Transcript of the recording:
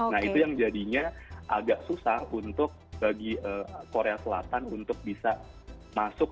nah itu yang jadinya agak susah untuk bagi korea selatan untuk bisa masuk